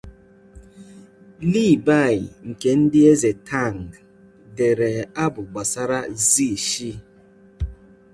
Li Bai nke ndị eze Tang dere abụ gbasara Xi Shi.